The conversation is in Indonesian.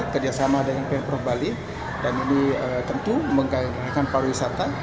kerjasama dengan pemprov bali dan ini tentu menggantikan para wisata